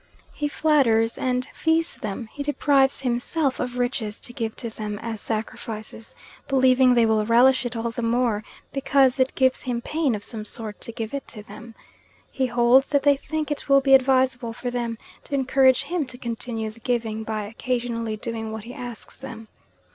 He flatters and fees them, he deprives himself of riches to give to them as sacrifices, believing they will relish it all the more because it gives him pain of some sort to give it to them. He holds that they think it will be advisable for them to encourage him to continue the giving by occasionally doing what he asks them.